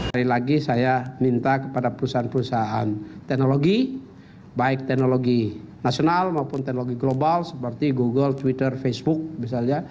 hari lagi saya minta kepada perusahaan perusahaan teknologi baik teknologi nasional maupun teknologi global seperti google twitter facebook misalnya